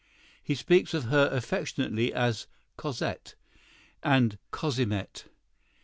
He speaks of her affectionately as "Cosette" and "Cosimette."